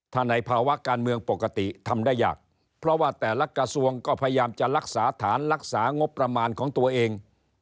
ถ้าในภาวะการเมืองปกติทำได้ยากเพราะว่าแต่ละกระทรวงก็พยายามจะรักษาฐานรักษางบประมาณของตัวเอง